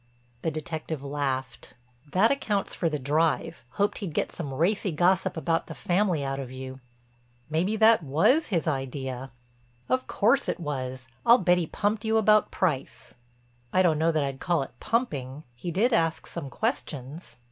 The detective laughed: "That accounts for the drive—hoped he'd get some racy gossip about the family out of you." "Maybe that was his idea." "Of course it was. I'll bet he pumped you about Price." "I don't know that I'd call it pumping—he did ask some questions."